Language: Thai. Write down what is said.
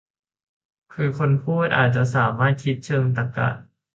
คือผู้พูด อาจจะสามารถคิดเชิงตรรกะ